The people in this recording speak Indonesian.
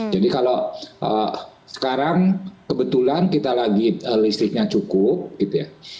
jadi kalau sekarang kebetulan kita lagi listriknya cukup gitu ya